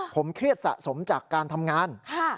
ผมเครียดสะสมจากการทำงาน